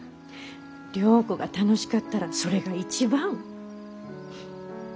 良子が楽しかったらそれが一番。